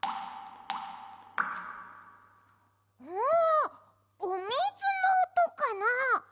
あおみずのおとかな？